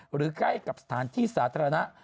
หรือค่อยกับหลวงพื้นที่สาธารณะ